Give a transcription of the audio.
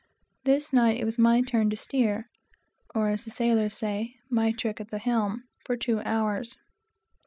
This night it was my turn to steer, or, as the sailors say, my trick at the helm, for two hours.